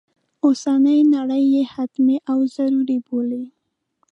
اوسنی نړی یې حتمي و ضروري بولي.